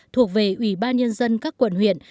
thuộc về ủy ban nhân dân các quận huyện